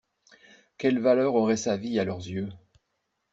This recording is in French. Quelle valeur aurait sa vie à leurs yeux?